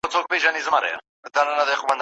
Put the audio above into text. پر زکندن به د وطن ارمان کوینه